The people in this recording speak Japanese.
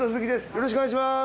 よろしくお願いします。